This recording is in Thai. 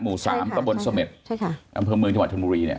หมู่๓ตะบนสมม็ตรอำเภอเมืองที่หวัดธรรมบุรี